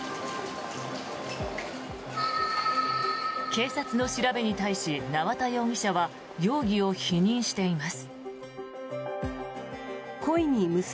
警察の調べに対し、縄田容疑者は容疑を否認しています。